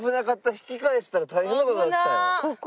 引き返したら大変な事になってたよ。